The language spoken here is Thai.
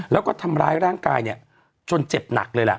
แล้วก็ทำร้ายร่างกายจนเจ็บหนักเลย